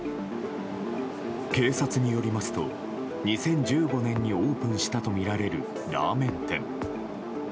警察によりますと、２０１５年にオープンしたとみられるラーメン店。